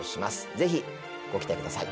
ぜひご期待ください。